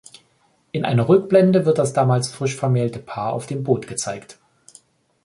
In einer Rückblende wird das damals frisch vermählte Paar auf dem Boot gezeigt.